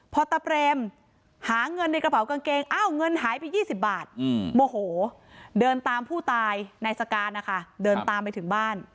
พอตาเตรมหาเงินในกระเป๋ากางเกง